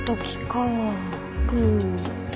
うん。